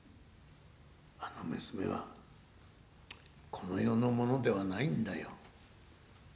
「あの娘はこの世のものではないんだよ」。